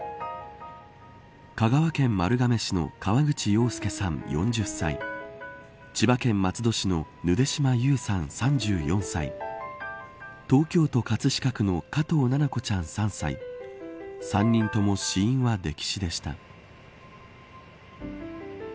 香川県丸亀市の河口洋介さん、４０歳千葉県松戸市のぬで島優さん、３４歳東京都葛飾区の加藤七菜子ちゃん３歳３人とも死因は溺死でした。